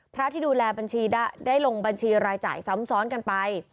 ที่ดูแลบัญชีได้ลงบัญชีรายจ่ายซ้ำซ้อนกันไป